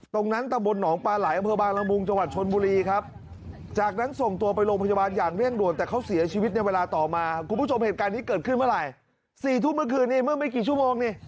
ตรงนั้นตะบนหนองปลาหลายอำเภอบาลละมุงจวัดชนบุรีครับ